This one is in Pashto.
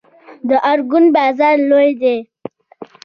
د ارګون بازار لوی دی